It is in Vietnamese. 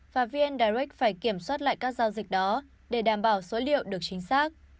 và vn direct phải kiểm soát lại các giao dịch đó để đảm bảo số liệu được chính xác